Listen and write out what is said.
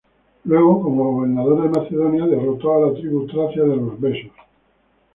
Luego, como gobernador de Macedonia, derrotó a la tribu tracia de los besos.